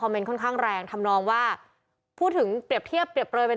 คอมเมนต์ค่อนข้างแรงทำนองว่าพูดถึงเตรียบเทียบเปรย์เป็น